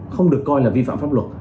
không được coi là vi phạm pháp luật